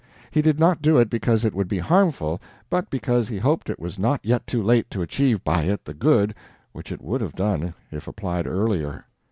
He did not do it because it would be harmful, but because he hoped it was not yet too late to achieve by it the good which it would have done if applied earlier.